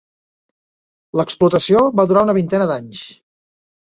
L'explotació va durar una vintena d'anys.